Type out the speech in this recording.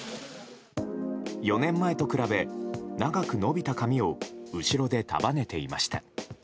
４年前と比べ、長く伸びた髪を後ろで束ねていました。